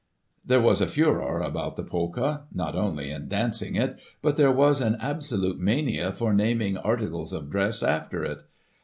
There was a furore about the Polka ; not only in dancing it, but there was an absolute mzph. for naming articles of dress after it.